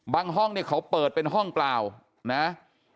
ห้องเนี่ยเขาเปิดเป็นห้องเปล่านะ